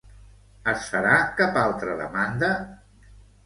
Es farà cap altra demanda?